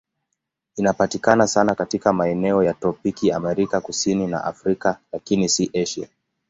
Inapatikana sana katika maeneo ya tropiki Amerika Kusini na Afrika, lakini si Asia.